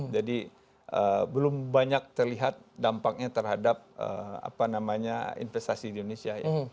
jadi belum banyak terlihat dampaknya terhadap apa namanya investasi di indonesia ya